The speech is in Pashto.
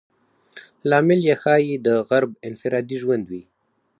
لامل یې ښایي د غرب انفرادي ژوند وي.